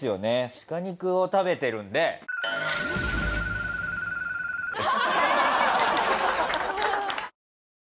鹿肉を食べてるんで。です。